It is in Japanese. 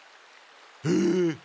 えっ？